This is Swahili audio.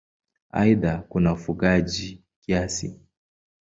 Aidha kuna ufugaji kiasi.